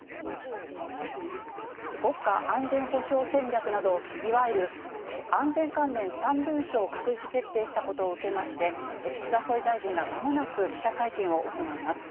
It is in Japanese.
国家安全保障戦略など、いわゆる安全関連３文書を閣議決定したことを受けまして、岸田総理大臣がまもなく記者会見を行います。